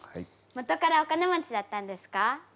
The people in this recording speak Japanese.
元からお金持ちだったんですか？